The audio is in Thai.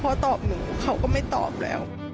พอตอบหนูเขาก็ไม่ตอบแล้ว